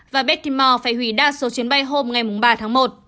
và beckimer phải hủy đa số chuyến bay hôm ba tháng một